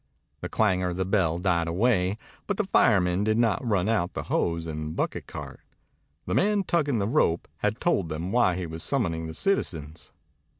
The clangor of the bell died away, but the firemen did not run out the hose and bucket cart. The man tugging the rope had told them why he was summoning the citizens.